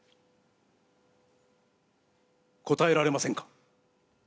答えられませんか？